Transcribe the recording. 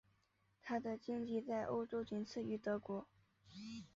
她的经济在欧洲仅次于德国。